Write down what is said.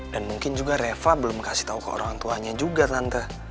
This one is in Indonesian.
dan mungkin juga reva belum kasih tau ke orang tuanya juga tante